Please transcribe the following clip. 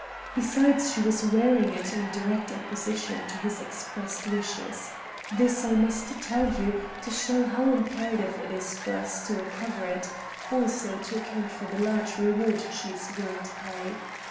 Besides, she was wearing it in direct opposition to his expressed wishes. This I must tell you, to show how imperative it is for us to recover it; also to account for the large reward she is willing to pay.